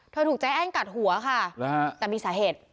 ถูกใจแอ้นกัดหัวค่ะแต่มีสาเหตุ